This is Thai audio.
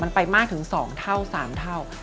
มันไปมากถึง๒เท่า๓เท่า